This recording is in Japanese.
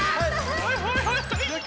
はいはいはいはい！